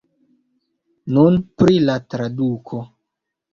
Nun pri la traduko.